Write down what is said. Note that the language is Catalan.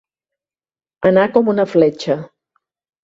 Anar com una fletxa.